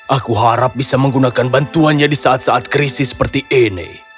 aku harap bisa menggunakan bantuannya di saat saat krisis seperti ini